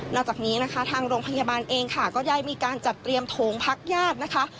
จากนี้นะคะทางโรงพยาบาลเองค่ะก็ได้มีการจัดเตรียมโถงพักญาตินะคะ